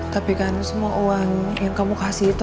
tapi kan semua uang yang kamu kasih itu